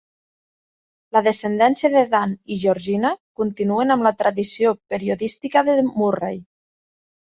La descendència de Dan i Georgina continuen amb la tradició periodística de Murray.